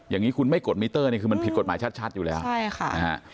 อย่างนี้คุณไม่กดมิเตอร์นี่คือมันผิดกฎหมายชัดอยู่แล้วใช่ค่ะนะฮะ